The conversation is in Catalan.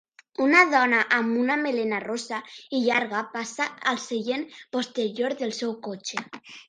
Una dona amb una melena rossa i llarga passa al seient posterior del seu cotxe.